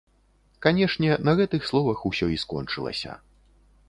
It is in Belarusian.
Канешне, на гэтых словах усё і скончылася.